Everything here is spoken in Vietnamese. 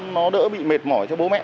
nó đỡ bị mệt mỏi cho bố mẹ